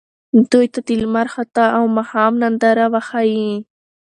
دوی ته د لمر خاته او ماښام ننداره وښایئ.